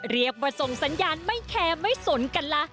เรียกว่าส่งสัญญาณไม่แคร์ไม่สนกันล่ะ